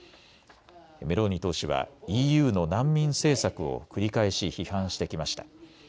メローニ党首はＥＵの難民政策を繰り返し批判してきました。